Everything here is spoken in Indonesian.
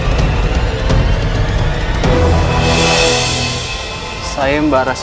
di mana saja